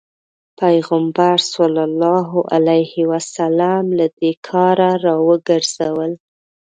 پيغمبر ص له دې کاره راوګرځول.